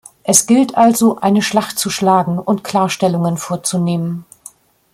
Es gilt also eine Schlacht zu schlagen und Klarstellungen vorzunehmen.